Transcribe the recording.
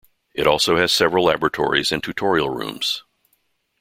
It also has several laboratories and tutorial rooms.